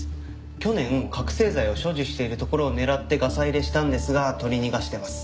去年覚醒剤を所持しているところを狙ってガサ入れしたんですが取り逃がしてます。